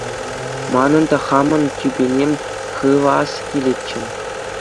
Манӑн та хамӑн тӳпене хывас килетчӗ.